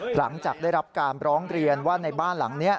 หลังจากได้รับการร้องเรียนว่าในบ้านหลังนี้